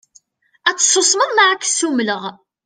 Ad tsusmeḍ neɣ ad k-ssumleɣ.